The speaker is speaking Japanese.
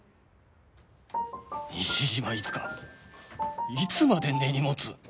西島いつかいつまで根に持つ！？